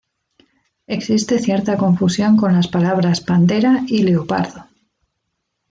Existe cierta confusión con las palabras pantera y leopardo.